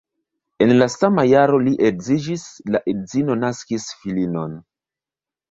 En la sama jaro li edziĝis, la edzino naskis filinon.